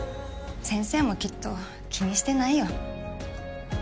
先生もきっと気にしてないよ。